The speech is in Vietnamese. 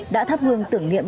đã thắp hương tưởng niệm